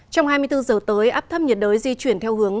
trong hai mươi bốn giờ tới áp thấp nhiệt đới di chuyển theo hướng